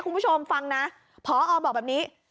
คุณผู้ชมฟังนะพอบอกแบบนี้